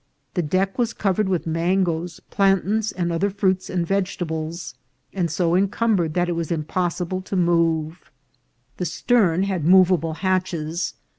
The deck was covered with mangoes, plan tains, and other fruits and vegetables, and so encumber ed that it was impossible to move. The stern had mova ble hatches.